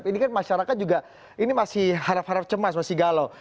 ini kan masyarakat juga ini masih harap harap cemas masih galau